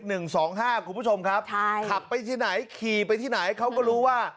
คุณผู้ชมครับใช่ขับไปที่ไหนขี่ไปที่ไหนเขาก็รู้ว่า